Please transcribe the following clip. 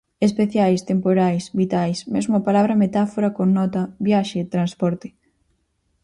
Espaciais, temporais, vitais... mesmo a palabra "metáfora" connota "viaxe, transporte".